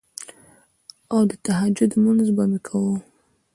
او د تهجد مونځ به مې کوو